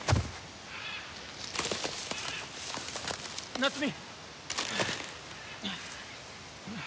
夏美！